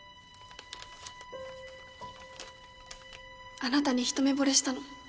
あなたに一目ぼれしたの